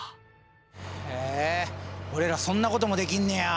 へえ俺らそんなこともできんねや！